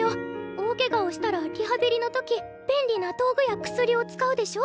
大ケガをしたらリハビリの時便利な道具や薬を使うでしょ？